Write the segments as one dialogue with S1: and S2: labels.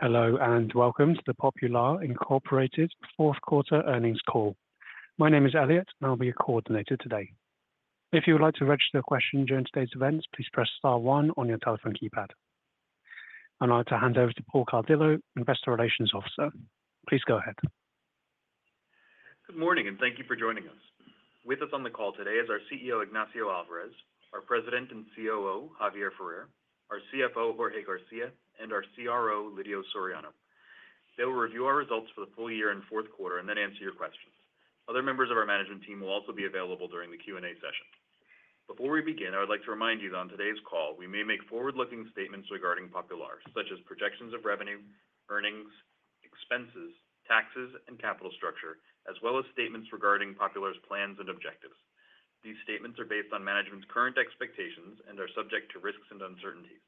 S1: Hello, and welcome to the Popular Incorporated fourth quarter earnings call. My name is Elliot, and I'll be your coordinator today. If you would like to register a question during today's events, please press star one on your telephone keypad. I'm now going to hand over to Paul Cardillo, Investor Relations Officer. Please go ahead.
S2: Good morning, and thank you for joining us. With us on the call today is our CEO, Ignacio Alvarez, our President and COO, Javier Ferrer, our CFO, Jorge García, and our CRO, Lidio Soriano. They will review our results for the full year and fourth quarter and then answer your questions. Other members of our management team will also be available during the Q&A session. Before we begin, I would like to remind you that on today's call, we may make forward-looking statements regarding Popular, such as projections of revenue, earnings, expenses, taxes, and capital structure, as well as statements regarding Popular's plans and objectives. These statements are based on management's current expectations and are subject to risks and uncertainties.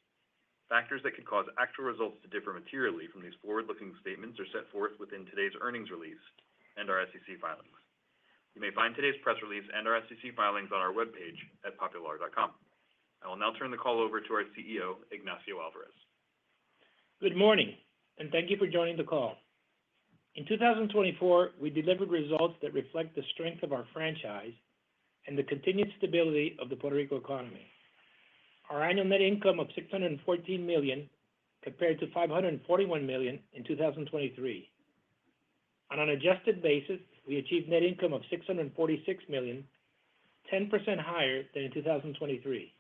S2: Factors that could cause actual results to differ materially from these forward-looking statements are set forth within today's earnings release and our SEC filings. You may find today's press release and our SEC filings on our webpage at popular.com. I will now turn the call over to our CEO, Ignacio Alvarez.
S3: Good morning, and thank you for joining the call. In 2024, we delivered results that reflect the strength of our franchise and the continued stability of the Puerto Rico economy. Our annual net income of $614 million, compared to $541 million in 2023. On an adjusted basis, we achieved net income of $646 million, 10% higher than in 2023.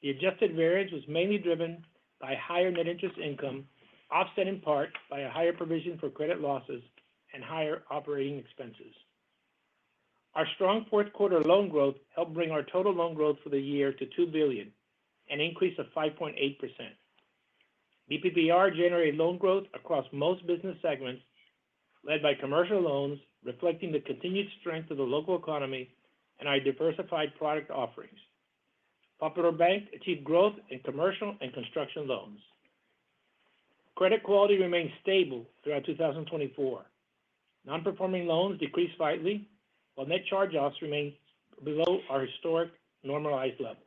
S3: The adjusted variance was mainly driven by higher net interest income, offset in part by a higher provision for credit losses and higher operating expenses. Our strong fourth quarter loan growth helped bring our total loan growth for the year to $2 billion, an increase of 5.8%. BPPR generated loan growth across most business segments, led by commercial loans, reflecting the continued strength of the local economy and our diversified product offerings. Popular Bank achieved growth in commercial and construction loans. Credit quality remained stable throughout 2024. Non-performing loans decreased slightly, while net charge-offs remained below our historic normalized levels.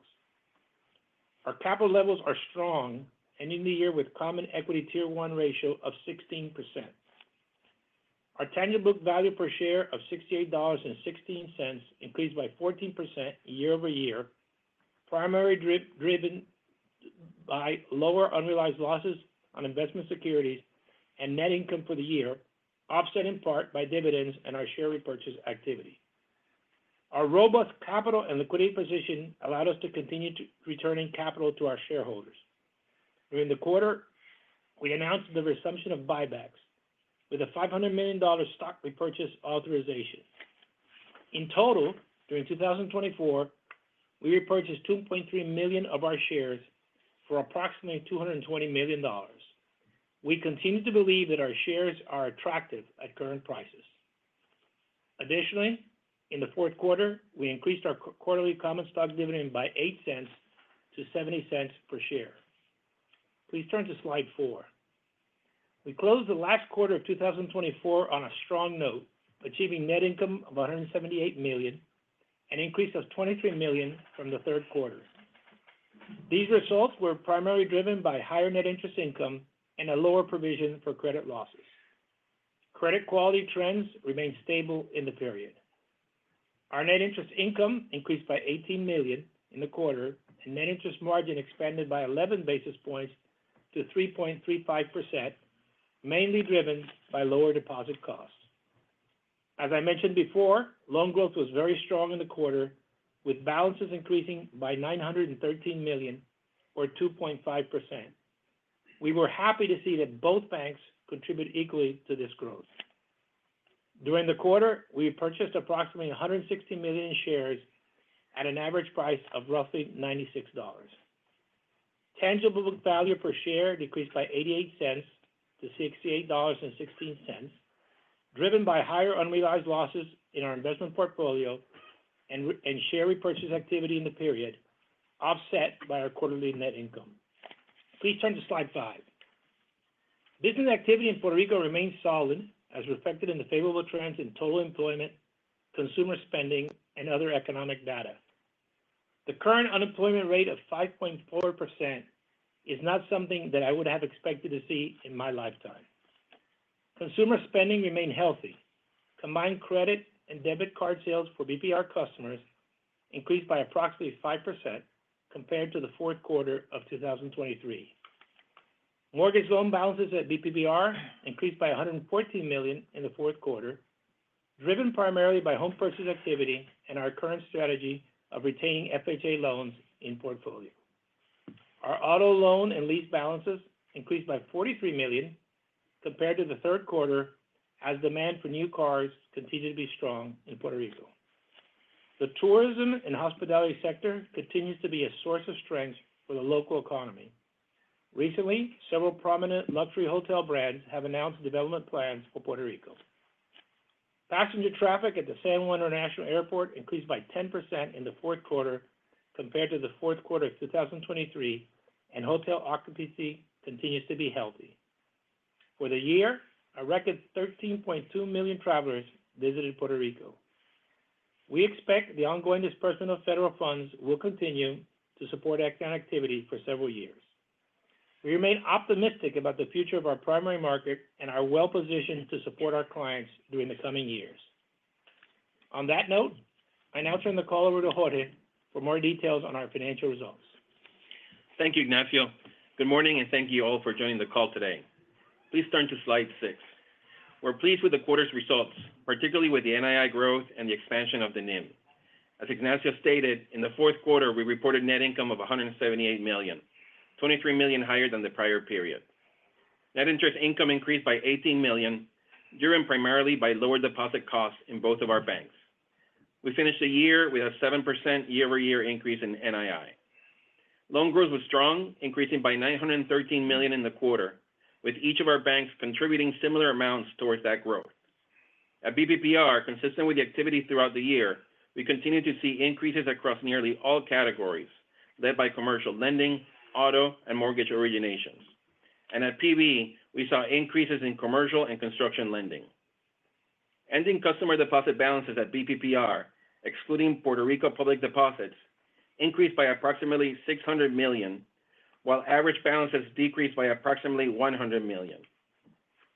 S3: Our capital levels are strong, ending the year with a Common Equity Tier 1 ratio of 16%. Our tangible value per share of $68.16 increased by 14% year-over-year, primarily driven by lower unrealized losses on investment securities and net income for the year, offset in part by dividends and our share repurchase activity. Our robust capital and liquidity position allowed us to continue returning capital to our shareholders. During the quarter, we announced the resumption of buybacks with a $500 million stock repurchase authorization. In total, during 2024, we repurchased 2.3 million of our shares for approximately $220 million. We continue to believe that our shares are attractive at current prices. Additionally, in the fourth quarter, we increased our quarterly common stock dividend by $0.08 to $0.70 per share. Please turn to slide four. We closed the last quarter of 2024 on a strong note, achieving net income of $178 million and an increase of $23 million from the third quarter. These results were primarily driven by higher net interest income and a lower provision for credit losses. Credit quality trends remained stable in the period. Our net interest income increased by $18 million in the quarter, and net interest margin expanded by 11 basis points to 3.35%, mainly driven by lower deposit costs. As I mentioned before, loan growth was very strong in the quarter, with balances increasing by $913 million, or 2.5%. We were happy to see that both banks contributed equally to this growth. During the quarter, we purchased approximately 160 million shares at an average price of roughly $96. Tangible book value per share decreased by $0.88 to $68.16, driven by higher unrealized losses in our investment portfolio and share repurchase activity in the period, offset by our quarterly net income. Please turn to slide five. Business activity in Puerto Rico remained solid, as reflected in the favorable trends in total employment, consumer spending, and other economic data. The current unemployment rate of 5.4% is not something that I would have expected to see in my lifetime. Consumer spending remained healthy. Combined credit and debit card sales for BPR customers increased by approximately 5% compared to the fourth quarter of 2023. Mortgage loan balances at BPPR increased by $114 million in the fourth quarter, driven primarily by home purchase activity and our current strategy of retaining FHA loans in portfolio. Our auto loan and lease balances increased by $43 million compared to the third quarter, as demand for new cars continued to be strong in Puerto Rico. The tourism and hospitality sector continues to be a source of strength for the local economy. Recently, several prominent luxury hotel brands have announced development plans for Puerto Rico. Passenger traffic at the San Juan International Airport increased by 10% in the fourth quarter compared to the fourth quarter of 2023, and hotel occupancy continues to be healthy. For the year, a record 13.2 million travelers visited Puerto Rico. We expect the ongoing disbursement of federal funds will continue to support activity for several years. We remain optimistic about the future of our primary market and are well-positioned to support our clients during the coming years. On that note, I now turn the call over to Jorge for more details on our financial results.
S4: Thank you, Ignacio. Good morning, and thank you all for joining the call today. Please turn to slide six. We're pleased with the quarter's results, particularly with the NII growth and the expansion of the NIM. As Ignacio stated, in the fourth quarter, we reported net income of $178 million, $23 million higher than the prior period. Net interest income increased by $18 million, driven primarily by lower deposit costs in both of our banks. We finished the year with a 7% year-over-year increase in NII. Loan growth was strong, increasing by $913 million in the quarter, with each of our banks contributing similar amounts towards that growth. At BPPR, consistent with the activity throughout the year, we continue to see increases across nearly all categories, led by commercial lending, auto, and mortgage originations, and at PB we saw increases in commercial and construction lending. Ending customer deposit balances at BPPR, excluding Puerto Rico public deposits, increased by approximately $600 million, while average balances decreased by approximately $100 million.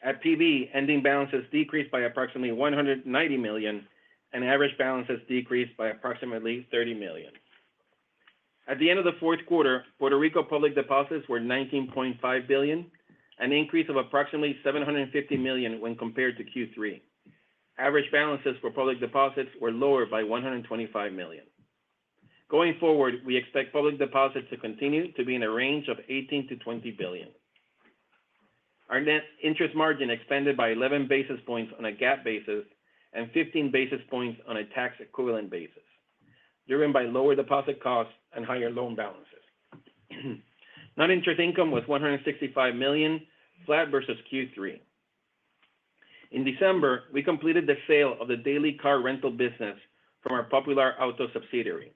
S4: At PB, ending balances decreased by approximately $190 million, and average balances decreased by approximately $30 million. At the end of the fourth quarter, Puerto Rico public deposits were $19.5 billion, an increase of approximately $750 million when compared to Q3. Average balances for public deposits were lower by $125 million. Going forward, we expect public deposits to continue to be in a range of $18 billion-$20 billion. Our net interest margin expanded by 11 basis points on a GAAP basis and 15 basis points on a tax-equivalent basis, driven by lower deposit costs and higher loan balances. Net interest income was $165 million, flat versus Q3. In December, we completed the sale of the daily car rental business from our Popular Auto subsidiary.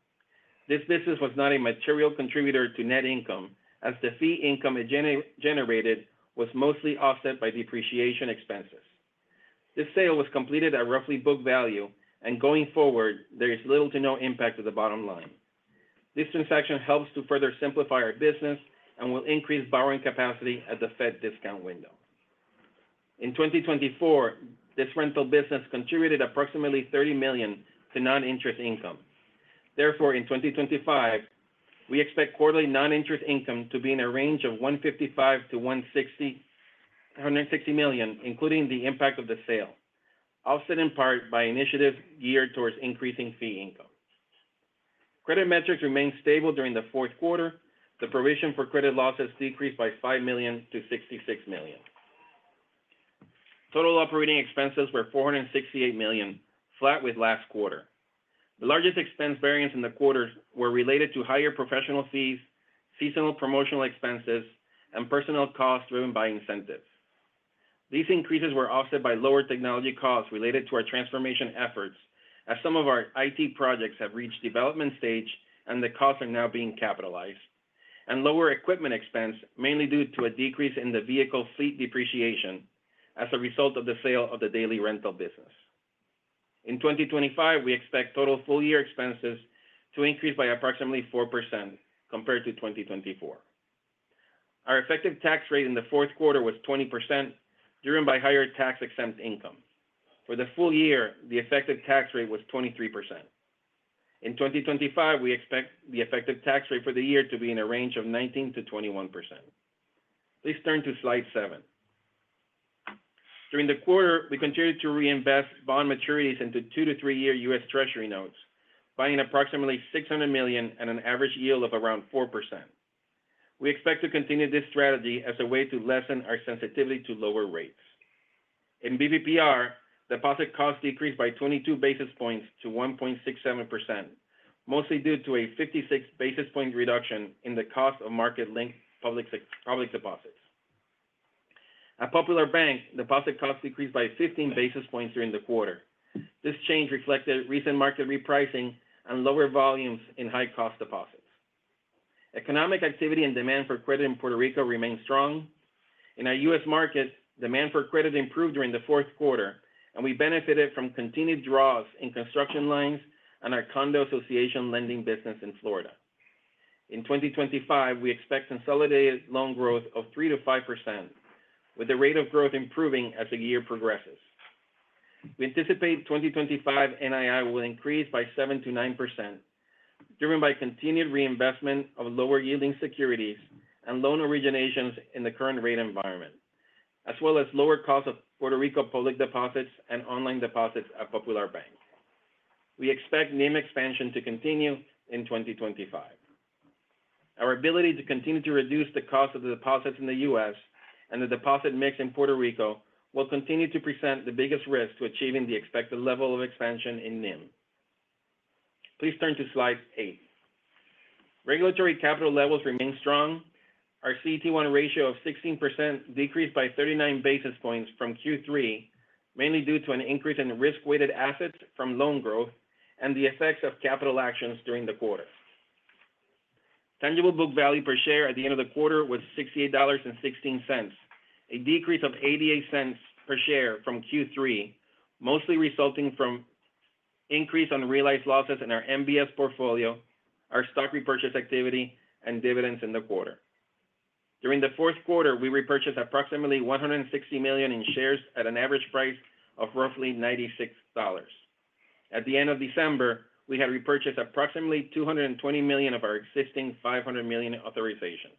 S4: This business was not a material contributor to net income, as the fee income it generated was mostly offset by depreciation expenses. This sale was completed at roughly book value, and going forward, there is little to no impact to the bottom line. This transaction helps to further simplify our business and will increase borrowing capacity at the Fed Discount Window. In 2024, this rental business contributed approximately $30 million to non-interest income. Therefore, in 2025, we expect quarterly non-interest income to be in a range of $155 million-$160 million, including the impact of the sale, offset in part by initiatives geared towards increasing fee income. Credit metrics remained stable during the fourth quarter. The provision for credit losses decreased by $5 million to $66 million. Total operating expenses were $468 million, flat with last quarter. The largest expense variance in the quarter was related to higher professional fees, seasonal promotional expenses, and personnel costs driven by incentives. These increases were offset by lower technology costs related to our transformation efforts, as some of our IT projects have reached development stage and the costs are now being capitalized, and lower equipment expense, mainly due to a decrease in the vehicle fleet depreciation as a result of the sale of the daily rental business. In 2025, we expect total full-year expenses to increase by approximately 4% compared to 2024. Our effective tax rate in the fourth quarter was 20%, driven by higher tax-exempt income. For the full year, the effective tax rate was 23%. In 2025, we expect the effective tax rate for the year to be in a range of 19%-21%. Please turn to slide seven. During the quarter, we continued to reinvest bond maturities into two-year to three-year U.S. Treasury notes, buying approximately $600 million at an average yield of around 4%. We expect to continue this strategy as a way to lessen our sensitivity to lower rates. In BPPR, deposit costs decreased by 22 basis points to 1.67%, mostly due to a 56 basis point reduction in the cost of market-linked public deposits. At Popular Bank, deposit costs decreased by 15 basis points during the quarter. This change reflected recent market repricing and lower volumes in high-cost deposits. Economic activity and demand for credit in Puerto Rico remained strong. In our U.S. market, demand for credit improved during the fourth quarter, and we benefited from continued draws in construction lines and our condo association lending business in Florida. In 2025, we expect consolidated loan growth of 3%-5%, with the rate of growth improving as the year progresses. We anticipate 2025 NII will increase by 7%-9%, driven by continued reinvestment of lower-yielding securities and loan originations in the current rate environment, as well as lower costs of Puerto Rico public deposits and online deposits at Popular Bank. We expect NIM expansion to continue in 2025. Our ability to continue to reduce the cost of the deposits in the U.S. and the deposit mix in Puerto Rico will continue to present the biggest risk to achieving the expected level of expansion in NIM. Please turn to slide eight. Regulatory capital levels remain strong. Our CET1 ratio of 16% decreased by 39 basis points from Q3, mainly due to an increase in risk-weighted assets from loan growth and the effects of capital actions during the quarter. Tangible book value per share at the end of the quarter was $68.16, a decrease of $0.88 per share from Q3, mostly resulting from increased unrealized losses in our MBS portfolio, our stock repurchase activity, and dividends in the quarter. During the fourth quarter, we repurchased approximately $160 million in shares at an average price of roughly $96. At the end of December, we had repurchased approximately $220 million of our existing $500 million authorization.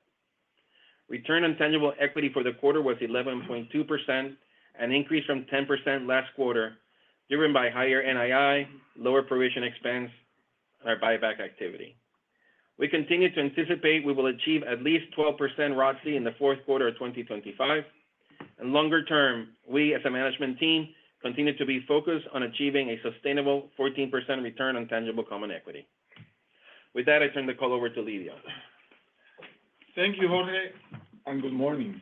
S4: Return on tangible equity for the quarter was 11.2%, an increase from 10% last quarter, driven by higher NII, lower provision expense, and our buyback activity. We continue to anticipate we will achieve at least 12% ROTCE in the fourth quarter of 2025, and longer term, we as a management team continue to be focused on achieving a sustainable 14% return on tangible common equity. With that, I turn the call over to Lidio.
S5: Thank you, Jorge, and good morning.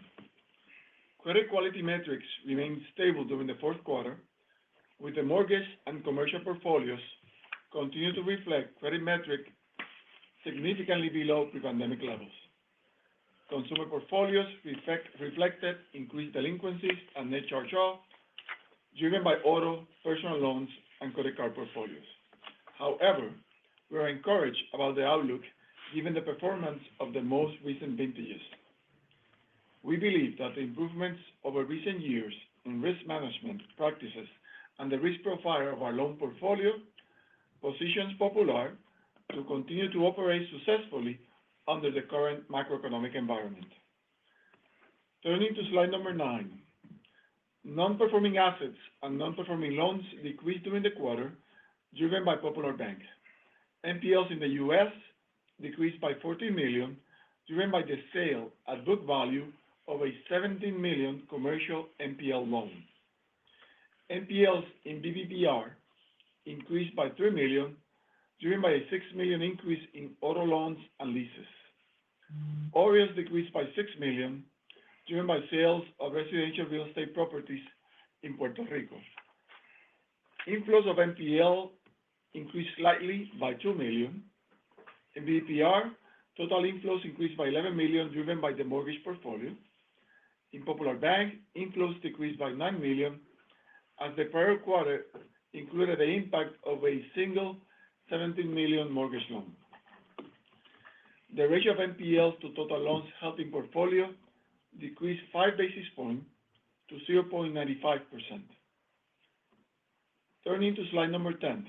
S5: Credit quality metrics remained stable during the fourth quarter, with the mortgage and commercial portfolios continuing to reflect credit metrics significantly below pre-pandemic levels. Consumer portfolios reflected increased delinquencies and net charge-off, driven by auto, personal loans, and credit card portfolios. However, we are encouraged about the outlook given the performance of the most recent vintages. We believe that the improvements over recent years in risk management practices and the risk profile of our loan portfolio positions Popular to continue to operate successfully under the current macroeconomic environment. Turning to slide number nine, non-performing assets and non-performing loans decreased during the quarter, driven by Popular Bank. NPLs in the U.S. decreased by $14 million, driven by the sale at book value of a $17 million commercial NPL loan. NPLs in BPPR increased by $3 million, driven by a $6 million increase in auto loans and leases. OREO decreased by $6 million, driven by sales of residential real estate properties in Puerto Rico. Inflows of NPL increased slightly by $2 million. In BPPR, total inflows increased by $11 million, driven by the mortgage portfolio. In Popular Bank, inflows decreased by $9 million, as the prior quarter included the impact of a single $17 million mortgage loan. The ratio of NPLs to total loans held in portfolio decreased 5 basis points to 0.95%. Turning to slide number 10,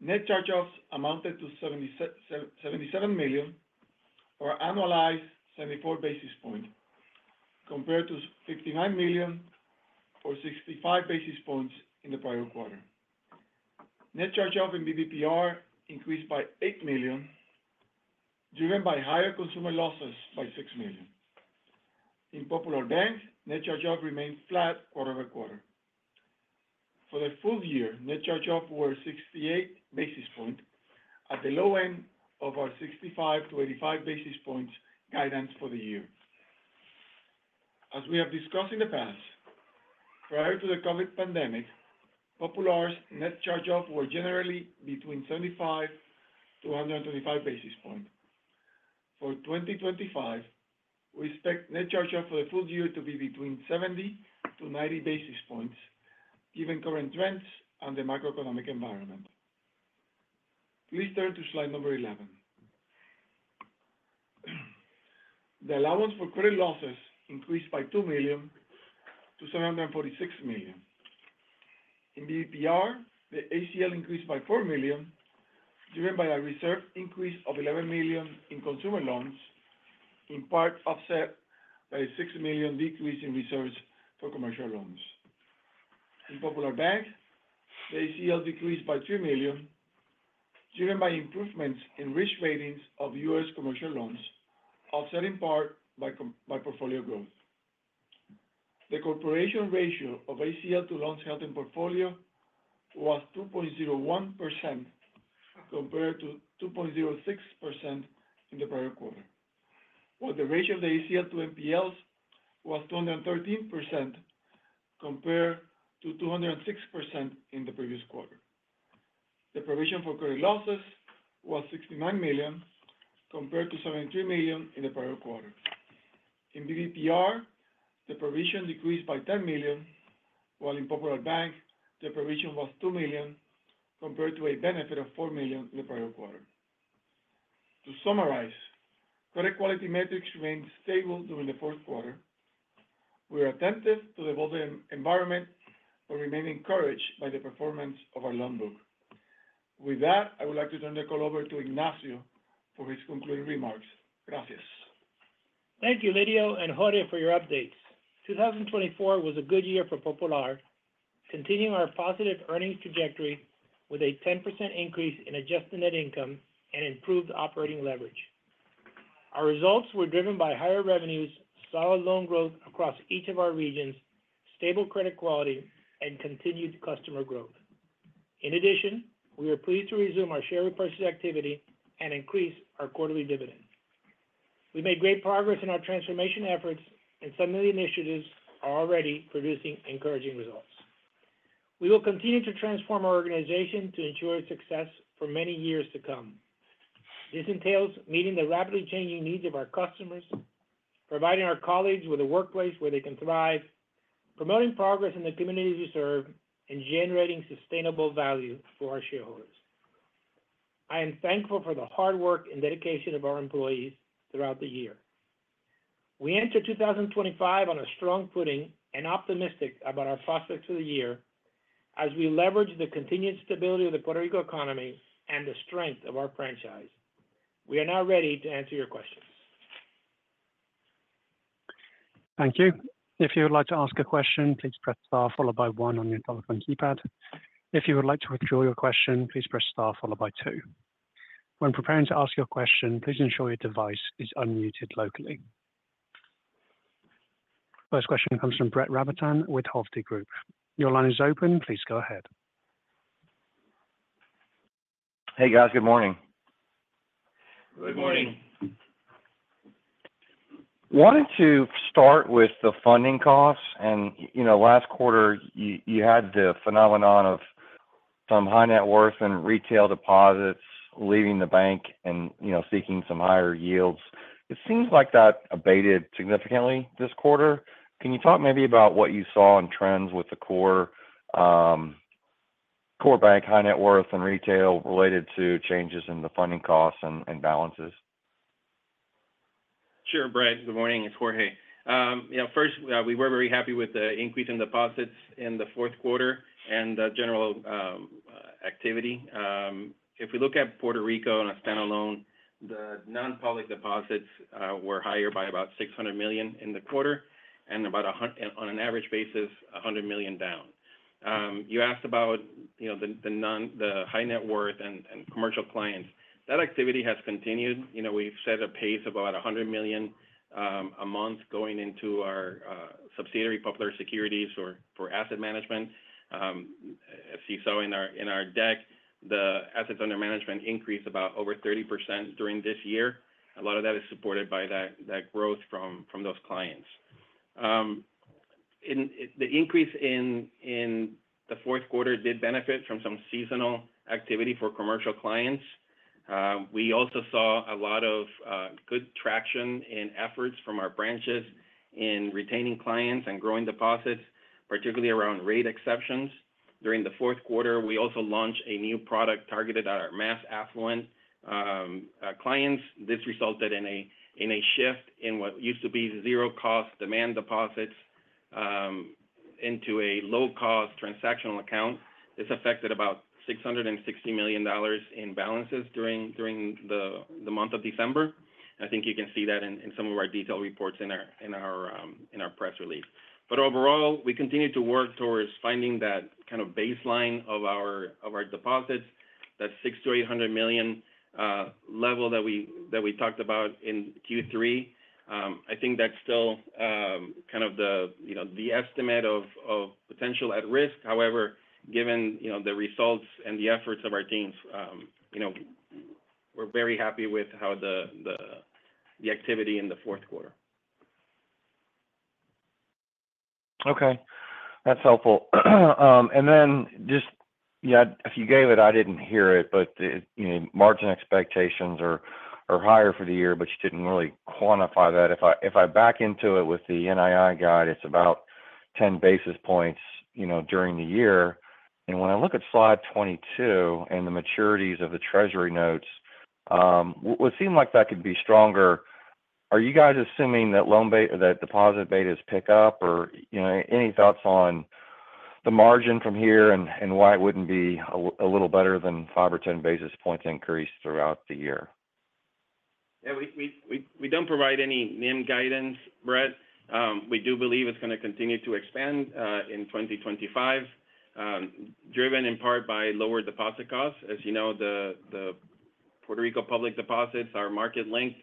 S5: net charge-offs amounted to $77 million, or annualized 74 basis points, compared to $59 million or 65 basis points in the prior quarter. Net charge-off in BPPR increased by $8 million, driven by higher consumer losses by $6 million. In Popular Bank, net charge-off remained flat quarter-over-quarter. For the full year, net charge-offs were 68 basis points, at the low end of our 65 basis points-85 basis points guidance for the year. As we have discussed in the past, prior to the COVID pandemic, Popular's net charge-offs were generally between 75 basis points-125 basis points. For 2025, we expect net charge-offs for the full year to be between 70 basis points-90 basis points, given current trends and the macroeconomic environment. Please turn to slide number 11. The allowance for credit losses increased by $2 million to $746 million. In BPR, the ACL increased by $4 million, driven by a reserve increase of $11 million in consumer loans, in part offset by a $6 million decrease in reserves for commercial loans. In Popular Bank, the ACL decreased by $3 million, driven by improvements in risk ratings of U.S. commercial loans, offset in part by portfolio growth. The Corporation ratio of ACL to loans held in portfolio was 2.01% compared to 2.06% in the prior quarter, while the ratio of the ACL to NPLs was 213% compared to 206% in the previous quarter. The provision for credit losses was $69 million, compared to $73 million in the prior quarter. In BPPR, the provision decreased by $10 million, while in Popular Bank, the provision was $2 million compared to a benefit of $4 million in the prior quarter. To summarize, credit quality metrics remained stable during the fourth quarter. We are attentive to the volatile environment, but remain encouraged by the performance of our loan book. With that, I would like to turn the call over to Ignacio for his concluding remarks. Gracias.
S3: Thank you, Lidio and Jorge, for your updates. 2024 was a good year for Popular, continuing our positive earnings trajectory with a 10% increase in adjusted net income and improved operating leverage. Our results were driven by higher revenues, solid loan growth across each of our regions, stable credit quality, and continued customer growth. In addition, we are pleased to resume our share repurchase activity and increase our quarterly dividend. We made great progress in our transformation efforts, and some of the initiatives are already producing encouraging results. We will continue to transform our organization to ensure success for many years to come. This entails meeting the rapidly changing needs of our customers, providing our colleagues with a workplace where they can thrive, promoting progress in the communities we serve, and generating sustainable value for our shareholders. I am thankful for the hard work and dedication of our employees throughout the year. We enter 2025 on a strong footing and optimistic about our prospects for the year, as we leverage the continued stability of the Puerto Rico economy and the strength of our franchise. We are now ready to answer your questions.
S1: Thank you. If you would like to ask a question, please press star followed by one on your telephone keypad. If you would like to withdraw your question, please press star followed by two. When preparing to ask your question, please ensure your device is unmuted locally. First question comes from Brett Rabatin with Hovde Group. Your line is open. Please go ahead.
S6: Hey, guys. Good morning. Wanted to start with the funding costs. And last quarter, you had the phenomenon of some high net worth and retail deposits leaving the bank and seeking some higher yields. It seems like that abated significantly this quarter. Can you talk maybe about what you saw in trends with the core bank, high net worth, and retail related to changes in the funding costs and balances?
S4: Sure, Brett. Good morning. It's Jorge. First, we were very happy with the increase in deposits in the fourth quarter and the general activity. If we look at Puerto Rico on a standalone, the non-public deposits were higher by about $600 million in the quarter and about, on an average basis, $100 million down. You asked about the high net worth and commercial clients. That activity has continued. We've set a pace of about $100 million a month going into our subsidiary Popular Securities for asset management. As you saw in our deck, the assets under management increased about over 30% during this year. A lot of that is supported by that growth from those clients. The increase in the fourth quarter did benefit from some seasonal activity for commercial clients. We also saw a lot of good traction in efforts from our branches in retaining clients and growing deposits, particularly around rate exceptions. During the fourth quarter, we also launched a new product targeted at our mass affluent clients. This resulted in a shift in what used to be zero-cost demand deposits into a low-cost transactional account. This affected about $660 million in balances during the month of December. I think you can see that in some of our detailed reports in our press release, but overall, we continue to work towards finding that kind of baseline of our deposits, that $600 million-$800 million level that we talked about in Q3. I think that's still kind of the estimate of potential at risk. However, given the results and the efforts of our teams, we're very happy with how the activity in the fourth quarter.
S6: Okay. That's helpful. And then just, yeah, if you gave it, I didn't hear it, but margin expectations are higher for the year, but you didn't really quantify that. If I back into it with the NII guide, it's about 10 basis points during the year. And when I look at slide 22 and the maturities of the treasury notes, it would seem like that could be stronger. Are you guys assuming that deposit betas pick up? Or any thoughts on the margin from here and why it wouldn't be a little better than 5 basis points or 10 basis points increase throughout the year?
S4: Yeah. We don't provide any NIM guidance, Brett. We do believe it's going to continue to expand in 2025, driven in part by lower deposit costs. As you know, the Puerto Rico public deposits are market-linked.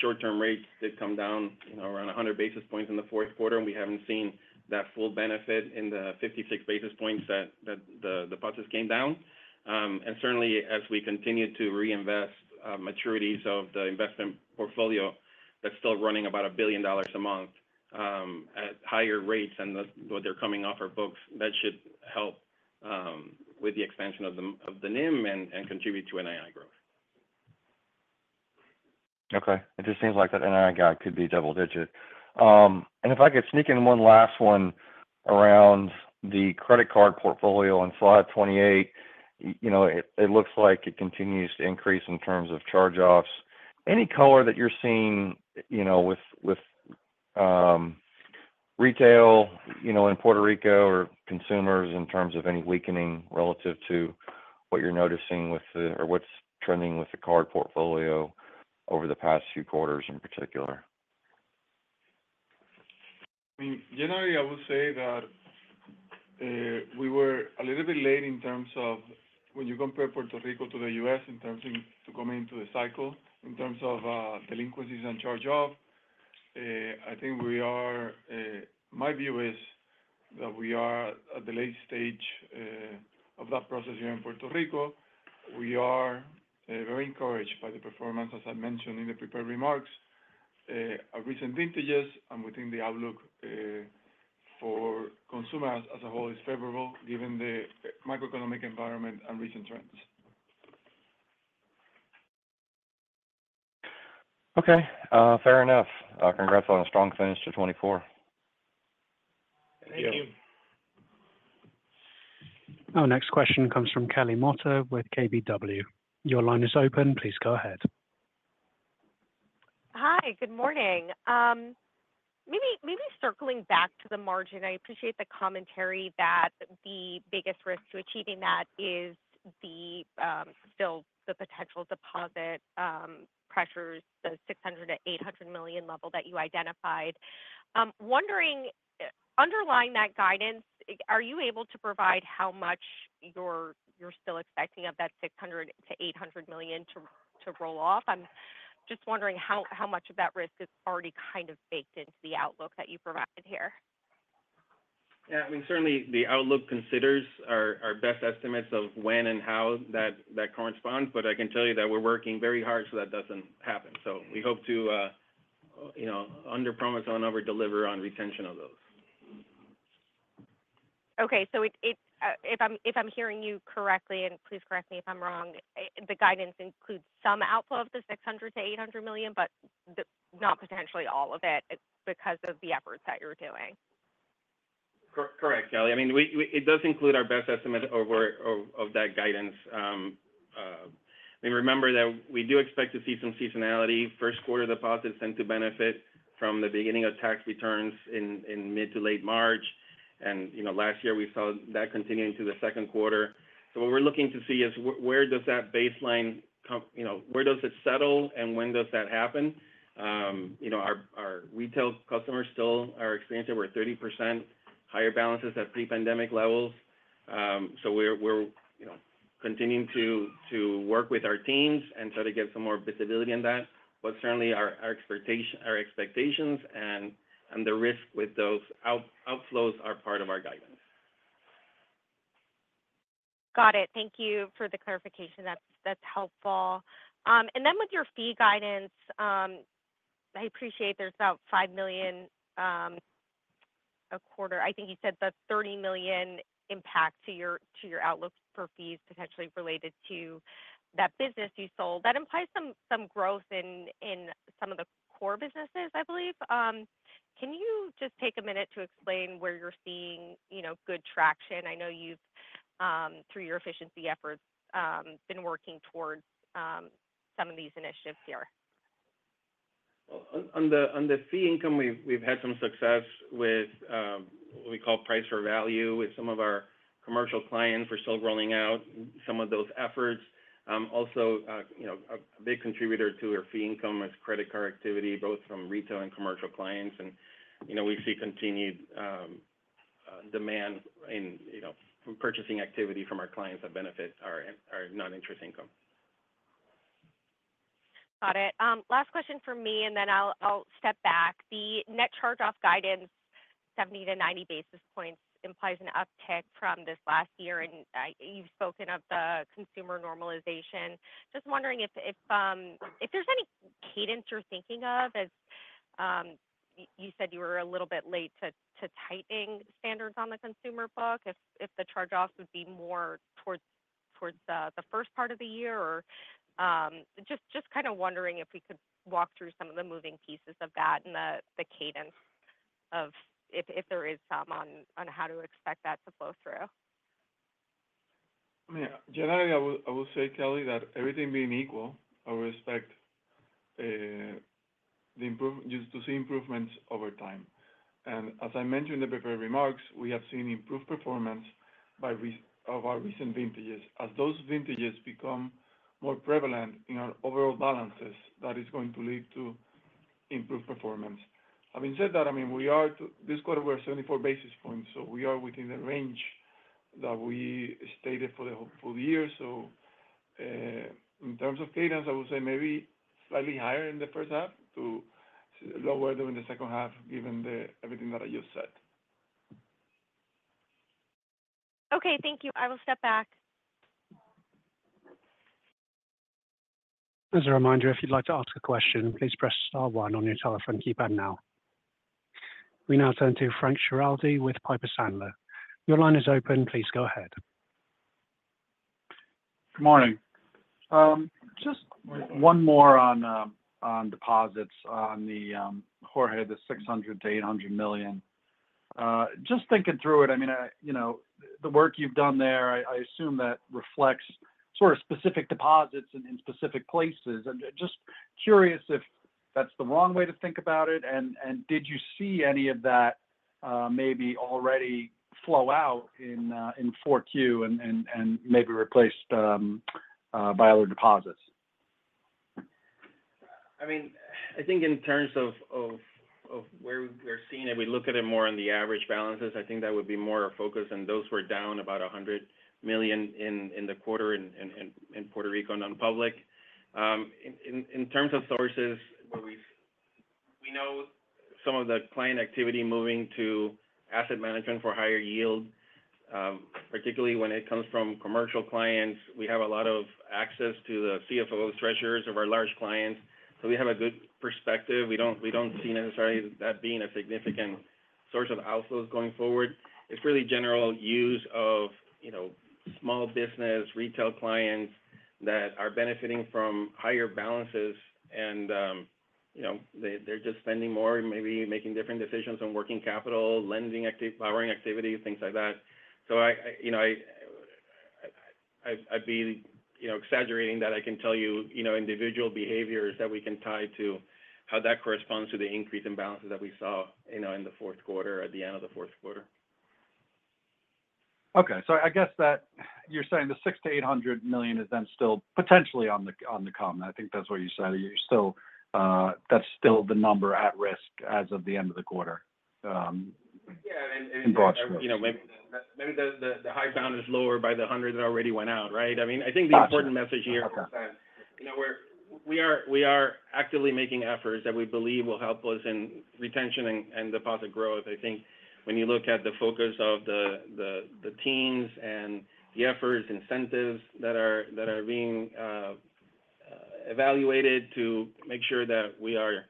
S4: Short-term rates did come down around 100 basis points in the fourth quarter, and we haven't seen that full benefit in the 56 basis points that the deposits came down. And certainly, as we continue to reinvest maturities of the investment portfolio that's still running about $1 billion a month at higher rates and what they're coming off our books, that should help with the expansion of the NIM and contribute to NII growth.
S6: Okay. It just seems like that NII guide could be double-digit. And if I could sneak in one last one around the credit card portfolio on slide 28, it looks like it continues to increase in terms of charge-offs. Any color that you're seeing with retail in Puerto Rico or consumers in terms of any weakening relative to what you're noticing with the, or what's trending with the card portfolio over the past few quarters in particular?
S5: I mean, generally, I would say that we were a little bit late in terms of when you compare Puerto Rico to the U.S. in terms of coming into the cycle, in terms of delinquencies and charge-offs. I think we are, my view is that we are at the late stage of that process here in Puerto Rico. We are very encouraged by the performance, as I mentioned in the prepared remarks. Our recent vintages and within the outlook for consumers as a whole is favorable, given the macroeconomic environment and recent trends.
S6: Okay. Fair enough. Congrats on a strong finish to 2024.
S4: Thank you.
S1: Our next question comes from Kelly Motta with KBW. Your line is open. Please go ahead.
S7: Hi. Good morning. Maybe circling back to the margin, I appreciate the commentary that the biggest risk to achieving that is still the potential deposit pressures, the $600 million-$800 million level that you identified. Wondering, underlying that guidance, are you able to provide how much you're still expecting of that $600 million-$800 million to roll off? I'm just wondering how much of that risk is already kind of baked into the outlook that you provided here?
S4: Yeah. I mean, certainly, the outlook considers our best estimates of when and how that corresponds, but I can tell you that we're working very hard so that doesn't happen, so we hope to under-promise and over-deliver on retention of those.
S7: Okay. So if I'm hearing you correctly, and please correct me if I'm wrong, the guidance includes some outflow of the $600 million-$800 million, but not potentially all of it because of the efforts that you're doing.
S4: Correct, Kelly. I mean, it does include our best estimate of that guidance. I mean, remember that we do expect to see some seasonality. First quarter deposits tend to benefit from the beginning of tax returns in mid to late March. And last year, we saw that continuing to the second quarter. So what we're looking to see is where does that baseline settle, and when does that happen? Our retail customers still are experiencing over 30% higher balances at pre-pandemic levels. So we're continuing to work with our teams and try to get some more visibility on that. But certainly, our expectations and the risk with those outflows are part of our guidance.
S7: Got it. Thank you for the clarification. That's helpful. And then with your fee guidance, I appreciate there's about $5 million a quarter. I think you said the $30 million impact to your outlook for fees potentially related to that business you sold. That implies some growth in some of the core businesses, I believe. Can you just take a minute to explain where you're seeing good traction? I know you've, through your efficiency efforts, been working towards some of these initiatives here.
S4: Well, on the fee income, we've had some success with what we call price for value. With some of our commercial clients, we're still rolling out some of those efforts. Also, a big contributor to our fee income is credit card activity, both from retail and commercial clients. And we see continued demand from purchasing activity from our clients that benefit our non-interest income.
S7: Got it. Last question for me, and then I'll step back. The net charge-off guidance, 70 basis points-90 basis points, implies an uptick from this last year. And you've spoken of the consumer normalization. Just wondering if there's any cadence you're thinking of, as you said you were a little bit late to tightening standards on the consumer book, if the charge-offs would be more towards the first part of the year. Or just kind of wondering if we could walk through some of the moving pieces of that and the cadence of if there is some on how to expect that to flow through.
S5: I mean, generally, I will say, Kelly, that everything being equal, I would expect to see improvements over time. And as I mentioned in the prepared remarks, we have seen improved performance of our recent vintages. As those vintages become more prevalent in our overall balances, that is going to lead to improved performance. Having said that, I mean, this quarter, we're at 74 basis points. So we are within the range that we stated for the year. So in terms of cadence, I would say maybe slightly higher in the first half to lower during the second half, given everything that I just said.
S7: Okay. Thank you. I will step back.
S1: As a reminder, if you'd like to ask a question, please press star one on your telephone keypad now. We now turn to Frank Schiraldi with Piper Sandler. Your line is open. Please go ahead.
S8: Good morning. Just one more on deposits on the Jorge, the $600 million-$800 million. Just thinking through it, I mean, the work you've done there, I assume that reflects sort of specific deposits in specific places. Just curious if that's the wrong way to think about it, and did you see any of that maybe already flow out in 4Q and maybe replaced by other deposits?
S4: I mean, I think in terms of where we're seeing it, we look at it more on the average balances. I think that would be more our focus. And those were down about $100 million in the quarter in Puerto Rico non-public. In terms of sources, we know some of the client activity moving to asset management for higher yield, particularly when it comes from commercial clients. We have a lot of access to the CFO treasuries of our large clients. So we have a good perspective. We don't see necessarily that being a significant source of outflows going forward. It's really general use of small business retail clients that are benefiting from higher balances. And they're just spending more, maybe making different decisions on working capital, lending, borrowing activity, things like that. So I'd be exaggerating that I can tell you individual behaviors that we can tie to how that corresponds to the increase in balances that we saw in the fourth quarter, at the end of the fourth quarter.
S8: Okay. So I guess that you're saying the $600 million-$800 million is then still potentially on the table. I think that's what you said. That's still the number at risk as of the end of the quarter in broad strokes.
S4: Yeah, and maybe the high bound is lower by the $100 million that already went out, right? I mean, I think the important message here is that we are actively making efforts that we believe will help us in retention and deposit growth. I think when you look at the focus of the teams and the efforts, incentives that are being evaluated to make sure that we are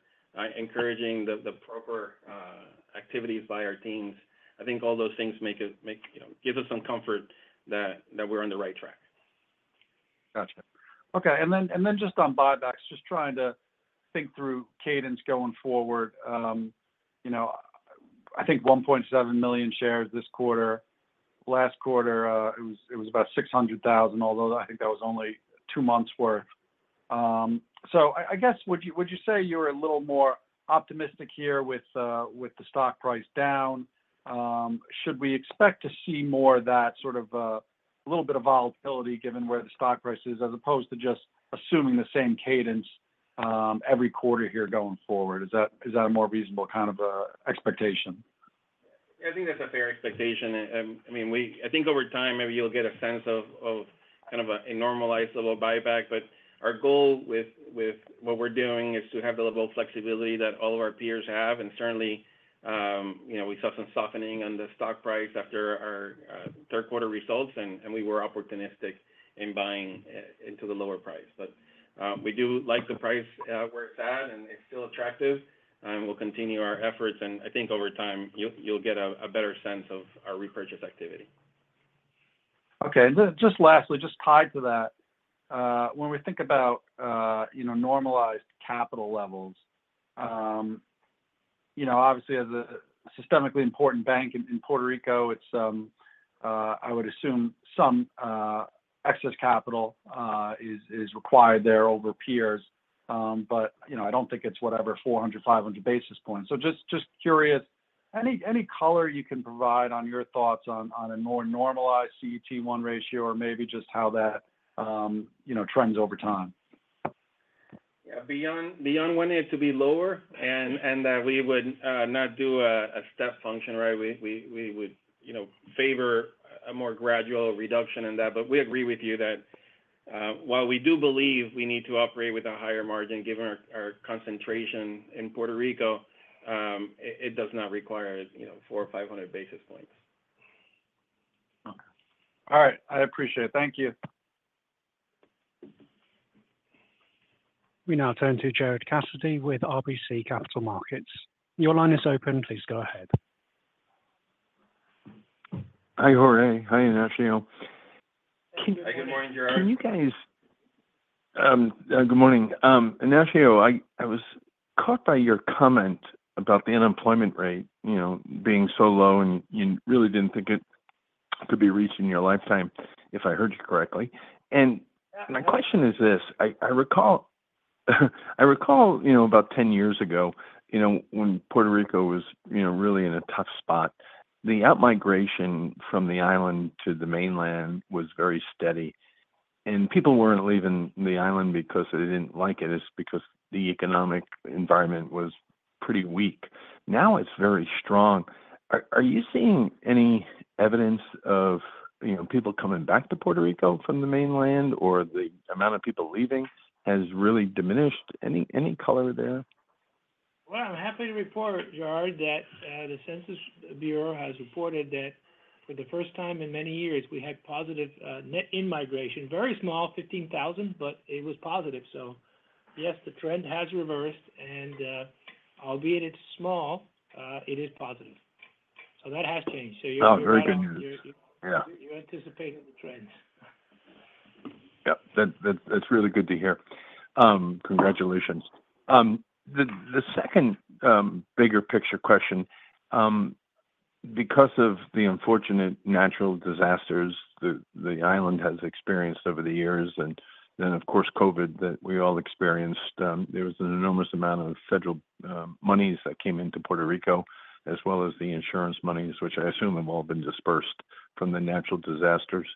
S4: encouraging the proper activities by our teams, I think all those things give us some comfort that we're on the right track.
S8: Gotcha. Okay. And then just on buybacks, just trying to think through cadence going forward. I think $1.7 million shares this quarter. Last quarter, it was about $600,000, although I think that was only two months' worth. So I guess, would you say you're a little more optimistic here with the stock price down? Should we expect to see more of that sort of a little bit of volatility given where the stock price is, as opposed to just assuming the same cadence every quarter here going forward? Is that a more reasonable kind of expectation?
S4: I think that's a fair expectation. I mean, I think over time, maybe you'll get a sense of kind of a normalized level of buyback. But our goal with what we're doing is to have the level of flexibility that all of our peers have. And certainly, we saw some softening on the stock price after our third quarter results, and we were opportunistic in buying into the lower price. But we do like the price where it's at, and it's still attractive. And we'll continue our efforts. And I think over time, you'll get a better sense of our repurchase activity.
S8: Okay. And just lastly, just tied to that, when we think about normalized capital levels, obviously, as a systemically important bank in Puerto Rico, I would assume some excess capital is required there over peers. But I don't think it's whatever, 400 basis points-500 basis points. So just curious, any color you can provide on your thoughts on a more normalized CET1 ratio or maybe just how that trends over time?
S4: Yeah. Beyond wanting it to be lower and that we would not do a step function, right, we would favor a more gradual reduction in that. But we agree with you that while we do believe we need to operate with a higher margin, given our concentration in Puerto Rico, it does not require 400 basis points or 500 basis points.
S8: Okay. All right. I appreciate it. Thank you.
S1: We now turn to Gerard Cassidy with RBC Capital Markets. Your line is open. Please go ahead.
S9: Hi, Jorge. Hi, Ignacio. Good morning. Ignacio, I was caught by your comment about the unemployment rate being so low, and you really didn't think it could be reached in your lifetime, if I heard you correctly. My question is this: I recall about 10 years ago when Puerto Rico was really in a tough spot. The outmigration from the island to the mainland was very steady. People weren't leaving the island because they didn't like it. It's because the economic environment was pretty weak. Now it's very strong. Are you seeing any evidence of people coming back to Puerto Rico from the mainland, or the amount of people leaving has really diminished? Any color there?
S3: I'm happy to report, Gerard, that the Census Bureau has reported that for the first time in many years, we had positive net in-migration, very small, 15,000, but it was positive. Yes, the trend has reversed, and albeit it's small, it is positive. That has changed.
S9: Oh, very good news. Yeah.
S3: You anticipated the trend.
S9: Yep. That's really good to hear. Congratulations. The second bigger picture question, because of the unfortunate natural disasters the island has experienced over the years, and then, of course, COVID that we all experienced, there was an enormous amount of federal monies that came into Puerto Rico, as well as the insurance monies, which I assume have all been dispersed from the natural disasters.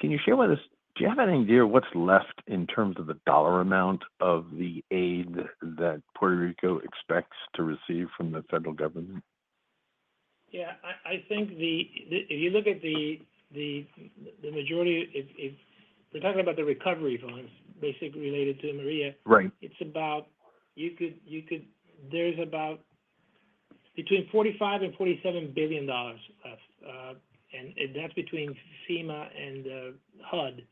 S9: Can you share with us, do you have any idea what's left in terms of the dollar amount of the aid that Puerto Rico expects to receive from the federal government?
S3: Yeah. I think if you look at the majority, if we're talking about the recovery funds, basically related to Maria, it's about between $45 billion- $47 billion left. And that's between FEMA and HUD,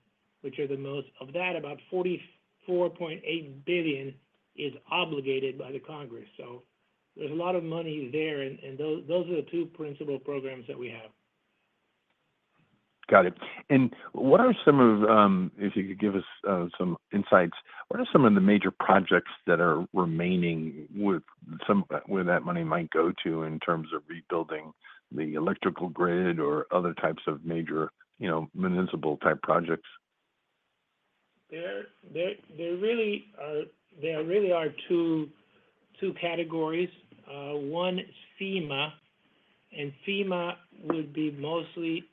S3: which are the most. Of that, about $44.8 billion is obligated by the Congress. So there's a lot of money there. And those are the two principal programs that we have.
S9: Got it. And what are some of, if you could give us some insights, what are some of the major projects that are remaining where that money might go to in terms of rebuilding the electrical grid or other types of major municipal-type projects?
S3: There really are two categories. One is FEMA, and FEMA would be mostly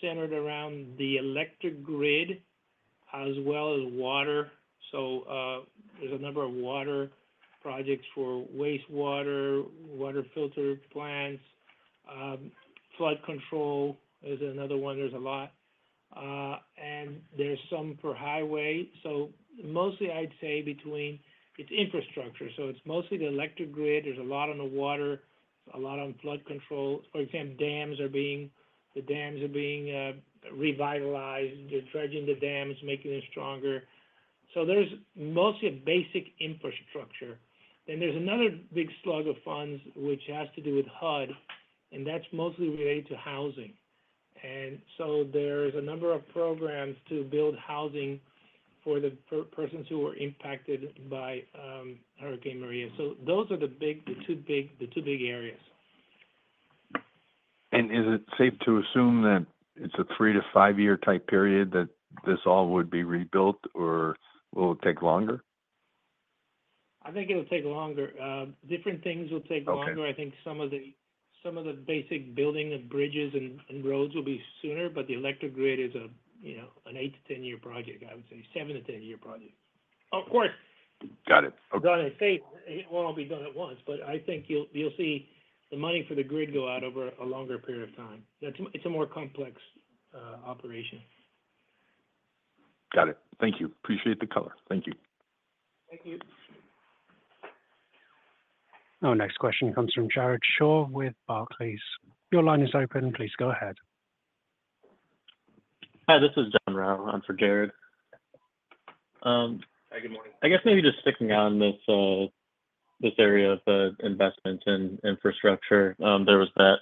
S3: centered around the electric grid as well as water. So there's a number of water projects for wastewater, water filter plants. Flood control is another one. There's a lot, and there's some for highway. So mostly, I'd say, it's infrastructure. So it's mostly the electric grid. There's a lot on the water. A lot on flood control. For example, the dams are being revitalized. They're dredging the dams, making them stronger. So there's mostly a basic infrastructure. Then there's another big slug of funds, which has to do with HUD, and that's mostly related to housing. And so there's a number of programs to build housing for the persons who were impacted by Hurricane Maria. So those are the two big areas.
S9: Is it safe to assume that it's a three-year to five-year-type period that this all would be rebuilt, or will it take longer?
S3: I think it'll take longer. Different things will take longer. I think some of the basic building of bridges and roads will be sooner. But the electric grid is an eight-year to 10-year project, I would say, seven-year to 10-year project. Oh, of course.
S9: Got it. Okay.
S3: I'm not going to say it won't all be done at once, but I think you'll see the money for the grid go out over a longer period of time. It's a more complex operation.
S9: Got it. Thank you. Appreciate the color. Thank you.
S1: Our next question comes from Jared Shaw with Barclays. Your line is open. Please go ahead.
S10: Hi. This is John Rao. I'm for Jared.
S4: Hi. Good morning.
S10: I guess maybe just sticking on this area of investments and infrastructure. There was the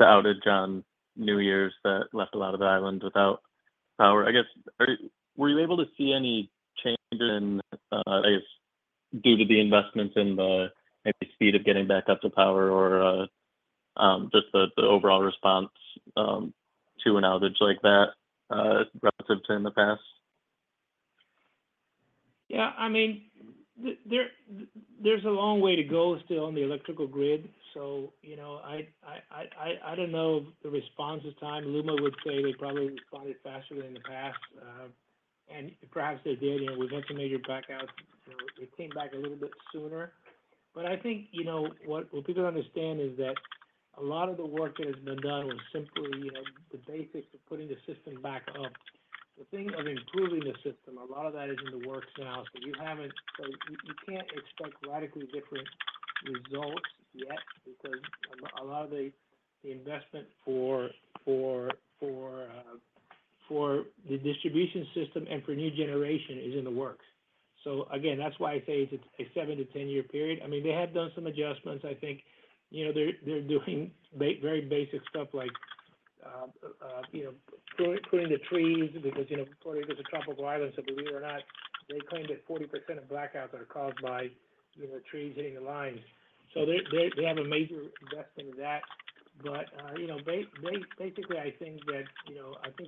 S10: outage on New Year's that left a lot of the island without power. I guess, were you able to see any changes in, I guess, due to the investments and the speed of getting back up to power or just the overall response to an outage like that relative to in the past?
S3: Yeah. I mean, there's a long way to go still on the electrical grid. So I don't know the response this time. LUMA would say they probably responded faster than in the past. And perhaps they did. We've had some major blackouts. It came back a little bit sooner. But I think what people understand is that a lot of the work that has been done was simply the basics of putting the system back up. The thing of improving the system, a lot of that is in the works now. So you can't expect radically different results yet because a lot of the investment for the distribution system and for new generation is in the works. So again, that's why I say it's a seven to 10-year period. I mean, they have done some adjustments. I think they're doing very basic stuff like pruning the trees because Puerto Rico is a tropical island. So believe it or not, they claim that 40% of blackouts are caused by trees hitting the lines. So they have a major investment in that. But basically, I think that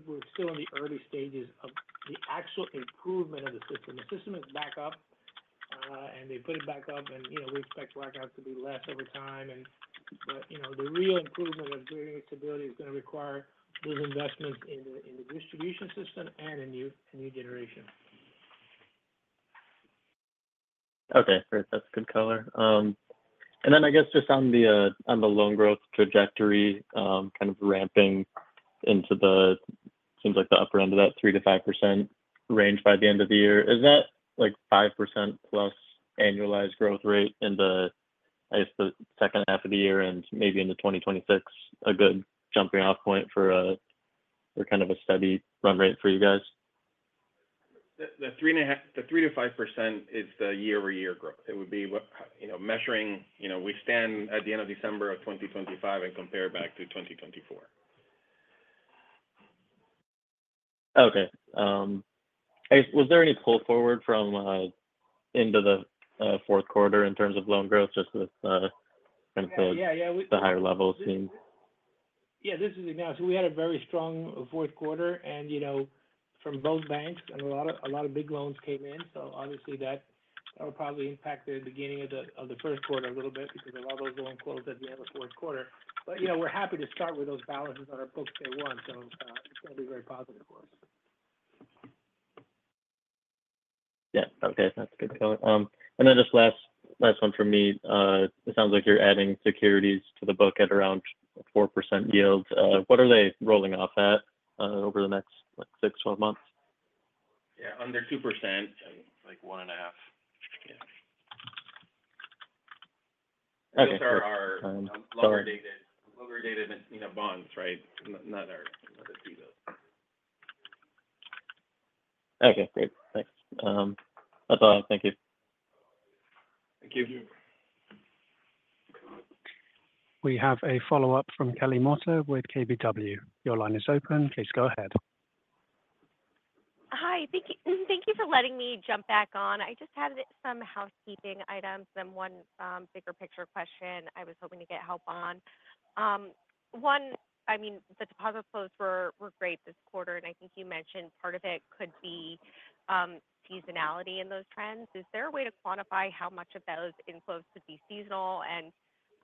S3: we're still in the early stages of the actual improvement of the system. The system is back up, and they put it back up. And we expect blackouts to be less over time. But the real improvement of grid stability is going to require those investments in the distribution system and in new generation.
S10: Okay. Great. That's good color. And then I guess just on the loan growth trajectory, kind of ramping into the, seems like the upper end of that 3%-5% range by the end of the year, is that 5%+ annualized growth rate in the, I guess, the second half of the year and maybe into 2026 a good jumping-off point for kind of a steady run rate for you guys?
S4: The 3%-5% is the year-over-year growth. It would be measuring we stand at the end of December of 2025 and compare it back to 2024.
S10: Okay. Was there any pull forward into the fourth quarter in terms of loan growth, just with kind of the higher levels seemed?
S3: Yeah. Yeah. Yeah. So we had a very strong fourth quarter. And from both banks, a lot of big loans came in. So obviously, that will probably impact the beginning of the first quarter a little bit because of all those loan quotas at the end of the fourth quarter. But we're happy to start with those balances on our books day one. So it's going to be very positive for us.
S10: Yeah. Okay. That's good color. And then just last one from me. It sounds like you're adding securities to the book at around 4% yield. What are they rolling off at over the next six months-12 months?
S4: Yeah. Under 2%. And like 1.5%. Yeah.
S10: Okay. Sorry.
S4: Those are our longer-dated bonds, right? Not our T-bills.
S10: Okay. Great. Thanks. That's all. Thank you.
S4: Thank you.
S1: We have a follow-up from Kelly Motta with KBW. Your line is open. Please go ahead.
S7: Hi. Thank you for letting me jump back on. I just had some housekeeping items and one bigger picture question I was hoping to get help on. One, I mean, the deposit flows were great this quarter. And I think you mentioned part of it could be seasonality in those trends. Is there a way to quantify how much of those inflows could be seasonal? And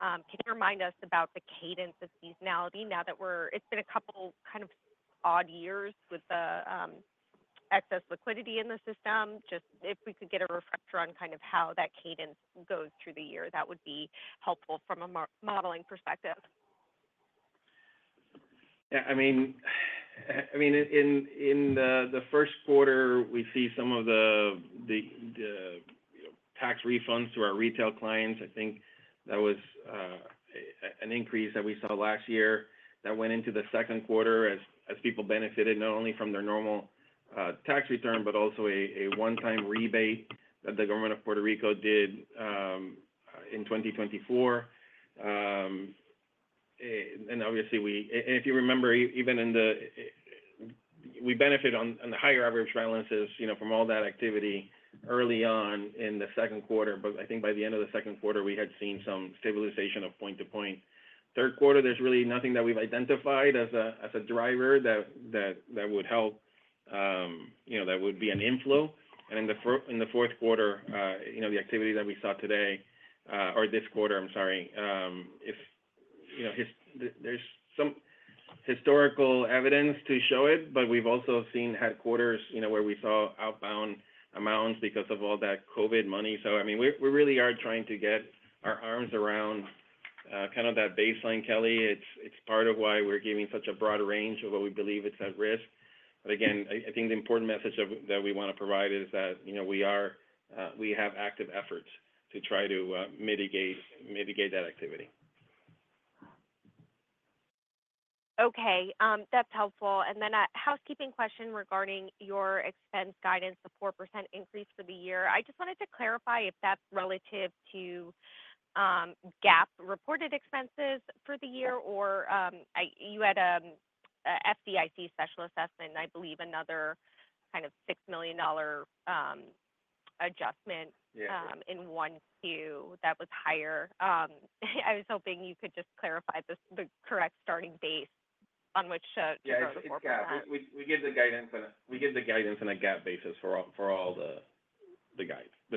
S7: can you remind us about the cadence of seasonality now that we're, it's been a couple kind of odd years with the excess liquidity in the system. Just if we could get a refresher on kind of how that cadence goes through the year, that would be helpful from a modeling perspective.
S4: Yeah. I mean, in the first quarter, we see some of the tax refunds to our retail clients. I think that was an increase that we saw last year that went into the second quarter as people benefited not only from their normal tax return but also a one-time rebate that the government of Puerto Rico did in 2024. And obviously, if you remember, even in the we benefit on the higher average balances from all that activity early on in the second quarter. But I think by the end of the second quarter, we had seen some stabilization of point-to-point. Third quarter, there's really nothing that we've identified as a driver that would help, that would be an inflow. And in the fourth quarter, the activity that we saw today or this quarter, I'm sorry, there's some historical evidence to show it. But we've also seen headquarters where we saw outbound amounts because of all that COVID money. So I mean, we really are trying to get our arms around kind of that baseline, Kelly. It's part of why we're giving such a broad range of what we believe is at risk. But again, I think the important message that we want to provide is that we have active efforts to try to mitigate that activity.
S7: Okay. That's helpful. And then a housekeeping question regarding your expense guidance, the 4% increase for the year. I just wanted to clarify if that's relative to GAAP reported expenses for the year, or you had a FDIC special assessment, I believe, another kind of $6 million adjustment in 1Q that was higher. I was hoping you could just clarify the correct starting base on which to go forward.
S4: Yeah. We give the guidance on a GAAP basis for all the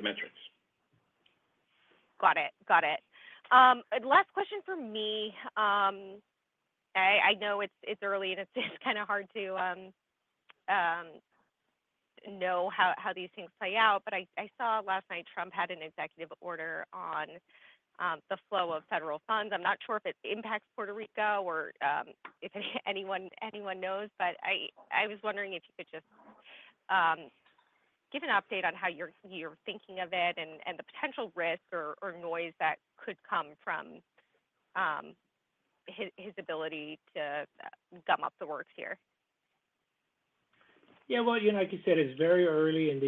S4: metrics.
S7: Got it. Got it. Last question for me. I know it's early, and it's kind of hard to know how these things play out. But I saw last night Trump had an executive order on the flow of federal funds. I'm not sure if it impacts Puerto Rico or if anyone knows. But I was wondering if you could just give an update on how you're thinking of it and the potential risk or noise that could come from his ability to gum up the works here.
S3: Yeah. Well, like you said, it's very early. And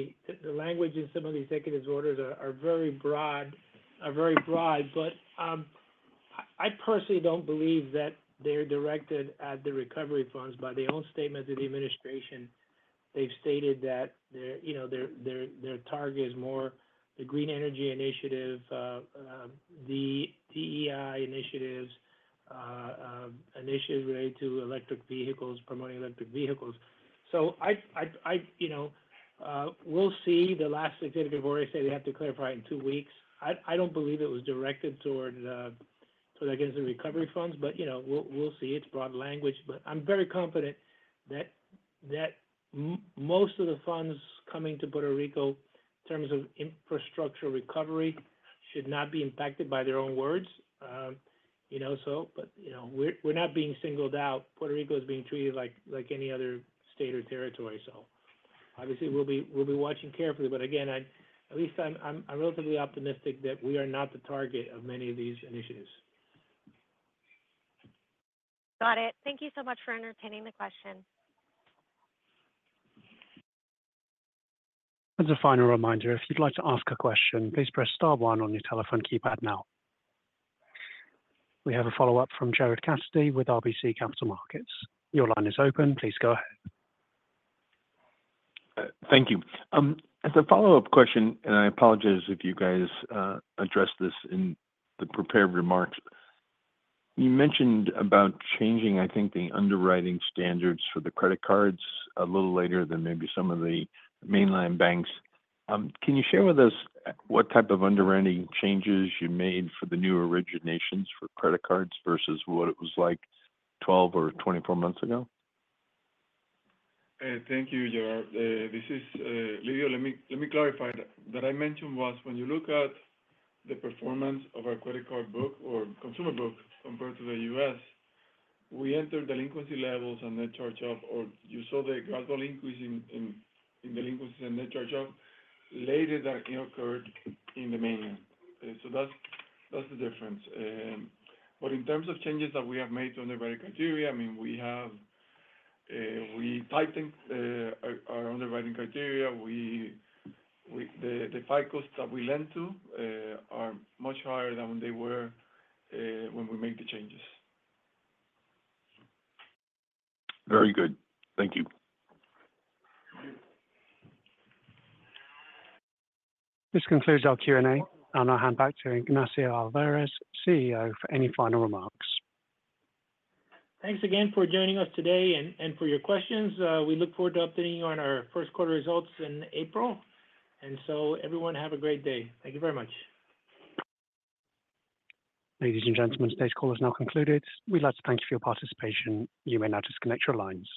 S3: the language in some of the executive orders are very broad. But I personally don't believe that they're directed at the recovery funds. By their own statement to the administration, they've stated that their target is more the green energy initiative, the DEI initiatives, initiatives related to electric vehicles, promoting electric vehicles. So we'll see. The last executive order, I say they have to clarify in two weeks. I don't believe it was directed towards against the recovery funds. But we'll see. It's broad language. But I'm very confident that most of the funds coming to Puerto Rico in terms of infrastructure recovery should not be impacted by their own words. But we're not being singled out. Puerto Rico is being treated like any other state or territory. So obviously, we'll be watching carefully. But again, at least I'm relatively optimistic that we are not the target of many of these initiatives.
S7: Got it. Thank you so much for entertaining the question.
S1: As a final reminder, if you'd like to ask a question, please press star one on your telephone keypad now. We have a follow-up from Gerard Cassidy with RBC Capital Markets. Your line is open. Please go ahead.
S9: Thank you. As a follow-up question, and I apologize if you guys addressed this in the prepared remarks, you mentioned about changing, I think, the underwriting standards for the credit cards a little later than maybe some of the mainland banks. Can you share with us what type of underwriting changes you made for the new originations for credit cards versus what it was like 12 months or 24 months ago?
S5: Thank you, Gerard. This is Lidio. Let me clarify that. What I mentioned was when you look at the performance of our credit card book or consumer book compared to the U.S., we entered delinquency levels and net charge-off, or you saw the gradual increase in delinquencies and net charge-off later than it occurred in the mainland. So that's the difference. But in terms of changes that we have made to underwriting criteria, I mean, we tightened our underwriting criteria. The FICOs that we lend to are much higher than they were when we made the changes.
S9: Very good. Thank you.
S1: This concludes our Q&A. I'll now hand back to Ignacio Alvarez, CEO, for any final remarks.
S3: Thanks again for joining us today and for your questions. We look forward to updating you on our first quarter results in April. And so, everyone, have a great day. Thank you very much.
S1: Ladies and gentlemen, today's call is now concluded. We'd like to thank you for your participation. You may now disconnect your lines.